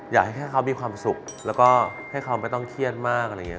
อยากให้แค่เขามีความสุขแล้วก็ให้เขาไม่ต้องเครียดมากอะไรอย่างนี้